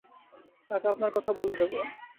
তাকে আপনার কথা বলে দেবো।